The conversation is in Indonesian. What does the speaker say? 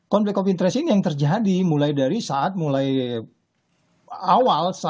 konflik of interest ini yang terjadi mulai dari saat mulai awal